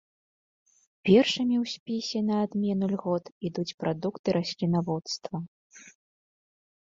Першымі ў спісе на адмену льгот ідуць прадукты раслінаводства.